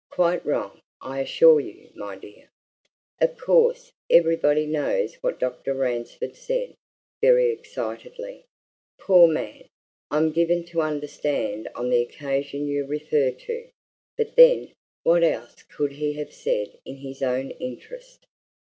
"Quite wrong, I assure you, my dear. Of course, everybody knows what Dr. Ransford said very excitedly, poor man, I'm given to understand on the occasion you refer to, but then, what else could he have said in his own interest?